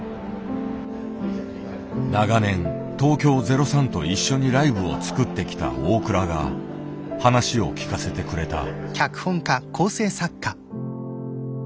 長年東京０３と一緒にライブを作ってきたオークラが話を聞かせてくれた。